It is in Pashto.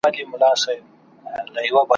ممکن د خوب ليدونکي خپل خوب صحيح را نقل نکړي.